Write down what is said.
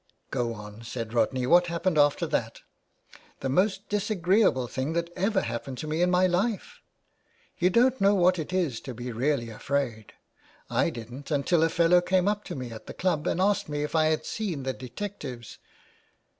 "" Go on," said Rodney " what happened after that ?"" The most disagreeable thing that ever happened to me in my life. You don't know what it is to be really afraid. I didn't until a fellow came up to me at the club and asked me if I had seen the detectives.